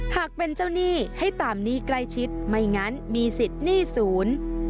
หากเป็นเจ้าหนี้ให้ตามหนี้ใกล้ชิดไม่งั้นมีสิทธิ์หนี้ศูนย์